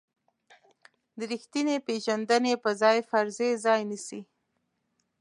د ریښتینې پېژندنې په ځای فرضیې ځای نیسي.